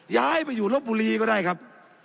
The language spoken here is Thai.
ย้ายไปอยู่ลบบุรีก็ได้ครับ